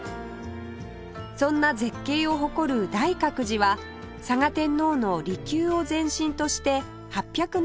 そんな絶景を誇る大覚寺は嵯峨天皇の離宮を前身として８７６年に創建